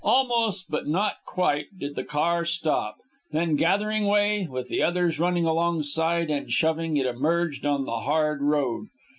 Almost, but not quite, did the car stop, then, gathering way, with the others running alongside and shoving, it emerged on the hard road.